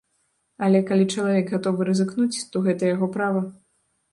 Але, калі чалавек гатовы рызыкнуць, то гэта яго права.